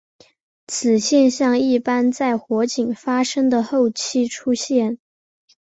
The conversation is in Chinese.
此现象一般在火警发生的后期出现。